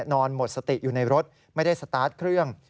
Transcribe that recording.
นอนหมดสติอยู่ในรถไม่ได้สตาร์ทเครื่อง